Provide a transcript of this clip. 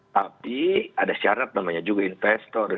tapi ada syarat namanya juga investor